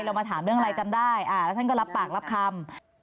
เรามาถามเรื่องอะไรจำได้แล้วท่านก็รับปากรับคำ